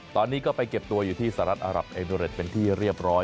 ตอนนี้ก็ไปเก็บตัวอยู่ที่สหรัฐอารับเอมิเรตเป็นที่เรียบร้อย